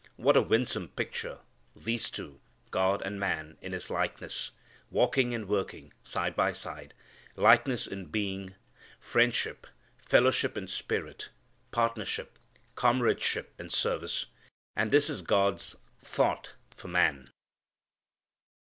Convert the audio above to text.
What a winsome picture. These two, God and a man in His likeness, walking and working side by side; likeness in being; friendship, fellowship in spirit; partnership, comradeship in service. And this is God's thought for man!